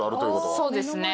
そうですね。